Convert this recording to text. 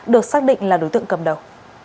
được xác định là đối tượng cầm đầu